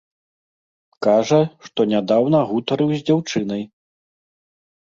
Кажа, што нядаўна гутарыў з дзяўчынай.